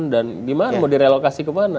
dan gimana mau direlokasi kemana